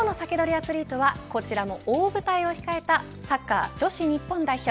アツリートはこちらも大舞台を控えたサッカー、女子日本代表